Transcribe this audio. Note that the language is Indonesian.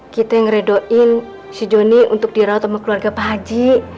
kita yang ngeredoin si joni untuk dirawat sama keluarga pak haji